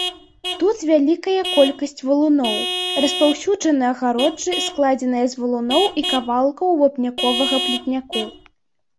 Тут вялікая колькасць валуноў, распаўсюджаны агароджы, складзеныя з валуноў і кавалкаў вапняковага плітняку.